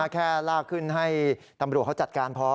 แค่ลากขึ้นให้ตำรวจเขาจัดการพอ